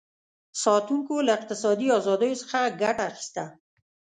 ساتونکو له اقتصادي ازادیو څخه ګټه اخیسته.